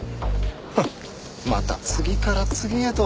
フッまた次から次へと。